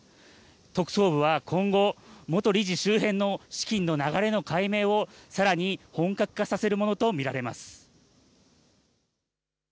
特捜部は今後、元理事周辺の資金の流れの解明をさらに本格化させるものと見られます。